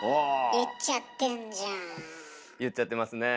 言っちゃってますねえ。